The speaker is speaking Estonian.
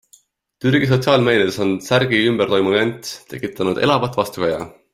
Türgi sotsiaalmeedias on särgi ümber toimuv jant tekitanud elavat vastukaja.